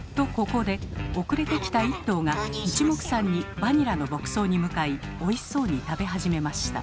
ここで遅れて来た１頭がいちもくさんに「バニラ」の牧草に向かいおいしそうに食べ始めました。